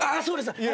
そうです。